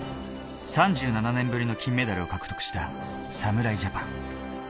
３７年ぶりの金メダルを獲得した侍ジャパン。